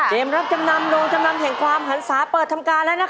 รับจำนำโรงจำนำแห่งความหันศาเปิดทำการแล้วนะคะ